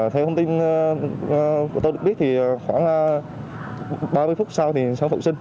theo thông tin của tôi được biết thì khoảng ba mươi phút sau thì sản phụ sinh